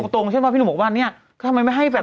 ตรงใช่ไหมพี่หนุ่มบอกว่าเนี่ยทำไมไม่ให้แฟน